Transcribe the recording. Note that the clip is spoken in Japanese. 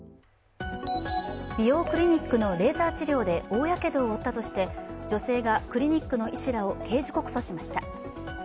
美容クリニックのレーザー治療で大やけどを負ったとして女性がクリニックの医師らを刑事告訴しました。